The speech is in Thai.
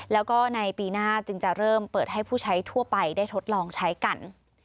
แล้วก็ในปีหน้าจึงจะเริ่มเปิดให้ผู้ใช้ทั่วไปได้ทดลองใช้กัน